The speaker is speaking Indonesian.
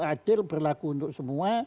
adil berlaku untuk semua